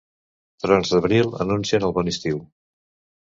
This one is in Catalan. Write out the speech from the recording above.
Trons d'abril anuncien el bon estiu.